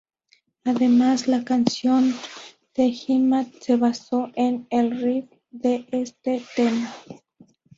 Además, la canción "The Hitman" se basó en el riff de este tema.